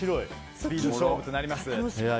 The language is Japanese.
スピード勝負となります。